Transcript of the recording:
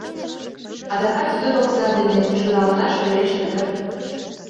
Адакат йот окса дене шӱралташ вереште дыр.